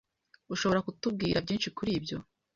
Ushobora kutubwira byinshi kuri ibyo?